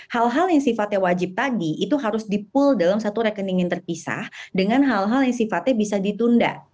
hal hal yang sifatnya wajib tadi itu harus dipul dalam satu rekening yang terpisah dengan hal hal yang sifatnya bisa ditunda